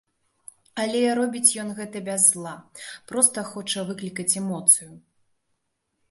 Але робіць ён гэта без зла, проста хоча выклікаць эмоцыю.